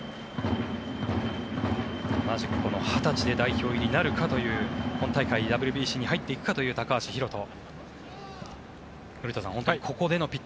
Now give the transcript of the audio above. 同じく２０歳で代表入りになるかという本大会、ＷＢＣに入っていくかという高橋宏斗。